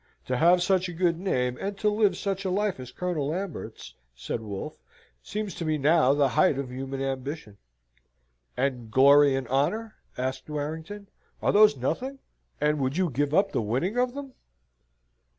"To have such a good name, and to live such a life as Colonel Lambert's," said Wolfe, "seem to me now the height of human ambition." "And glory and honour?" asked Warrington, "are those nothing? and would you give up the winning of them?"